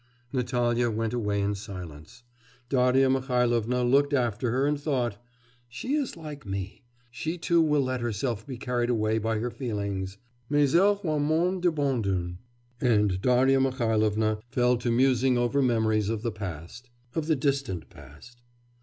Natalya went away in silence. Darya Mihailovna looked after her and thought: 'She is like me she too will let herself be carried away by her feelings; mais ella aura moins d'abandon.' And Darya Mihailovna fell to musing over memories of the past... of the distant past.